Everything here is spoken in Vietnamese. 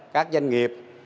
các doanh nghiệp